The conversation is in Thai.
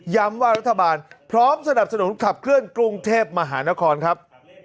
ว่ารัฐบาลพร้อมสนับสนุนขับเคลื่อนกรุงเทพมหานครครับ